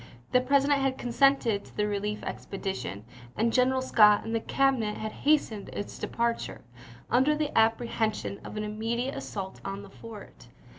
The President had consented to the relief expedition, and General Scott and the Cabinet had hastened its departure, under the apprehension of an immediate assault on the fort.